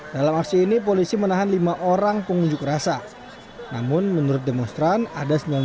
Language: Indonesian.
dalam aksi ini polisi menahan lima orang pengunjuk rasa namun menurut demonstran ada sembilan belas